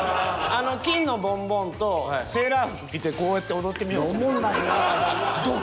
あの金のボンボンとセーラー服着てこうやって踊ってみようかな。